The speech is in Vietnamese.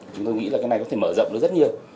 chúng tôi nghĩ là cái này có thể mở rộng được rất nhiều